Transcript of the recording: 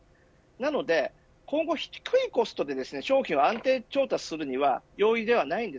なので今後、低いコストで商品を安定調達するのは容易ではありません。